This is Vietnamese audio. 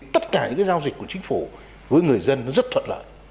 tất cả những giao dịch của chính phủ với người dân nó rất thuận lợi